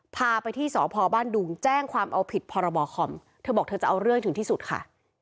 พาไปที่สพบ้านดุงแจ้งความเอาผิดพรบคอมเธอบอกเธอจะเอาเรื่องให้ถึงที่สุดค่ะ